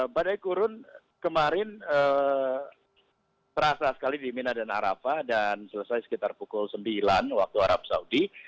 badai kurun kemarin terasa sekali di mina dan arafah dan selesai sekitar pukul sembilan waktu arab saudi